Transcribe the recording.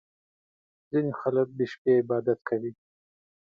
• ځینې خلک د شپې عبادت کوي.